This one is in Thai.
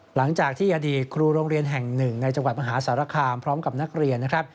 หลังจากที่อดีตครูโรงเรียนแห่งหนึ่งในจังหวัดมหาสารคามพร้อมกับนักเรียนนะครับ